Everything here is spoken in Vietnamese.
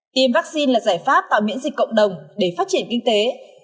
tiêm vắc xin là giải pháp tạo miễn dịch cộng đồng để phát triển kinh tế